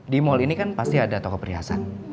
di mal ini kan pasti ada toko perhiasan